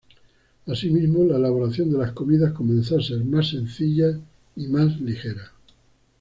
Asimismo, la elaboración de las comidas comenzó a ser más sencilla y más ligera.